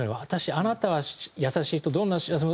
「あなたは優しい人どんな幸せも」。